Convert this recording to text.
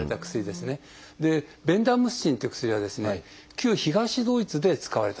ベンダムスチンっていう薬は旧東ドイツで使われたと。